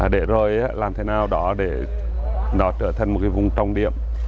để rồi làm thế nào đó để nó trở thành một vùng trọng điểm